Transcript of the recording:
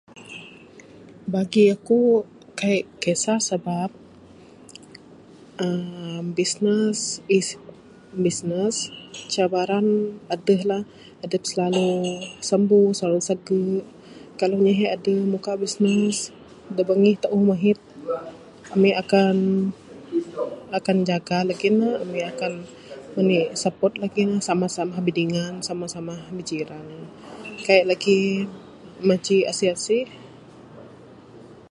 Bagi akuk, kaik kesah sebab uhh bisness is bisness. Cabaran adulah. Adup slalu sambu, slalu sagu'. Kalau amik aduh bukak bisness, da' bangih ta'uh mahit, amik akan, amik akan jaga lagi' ne. Amik akan, manik support lagik ne. Samah samah bidingan. Samah samah berjiran. Kaik lagik majik asih asih.